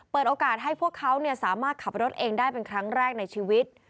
เปิดโอกาสให้พวกเขาสามารถขับรถเองได้เป็นครั้งแรกในชีวิต